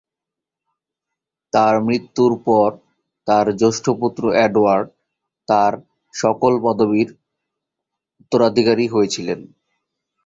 তার মৃত্যুর পর তার জ্যেষ্ঠ পুত্র এডওয়ার্ড তার সকল পদবীর উত্তরাধিকারী হয়েছিলেন।